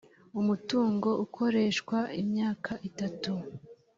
umutungo ukoreshwa imyaka itatu .